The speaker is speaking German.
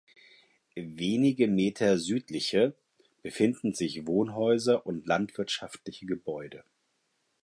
Wenige Meter südliche befinden sich Wohnhäuser und landwirtschaftliche Gebäude.